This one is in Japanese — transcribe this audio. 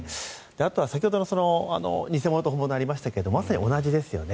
あとは先ほどの偽物と本物ありましたけどまさに同じですよね。